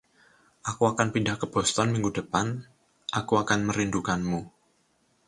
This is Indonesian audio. "Aku akan pindah ke Boston minggu depan." "Aku akan merindukanmu."